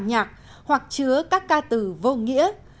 nhạc hoặc chứa các ca từ vô nghĩa